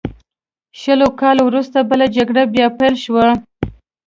شلو کالو وروسته بله جګړه بیا پیل شوه.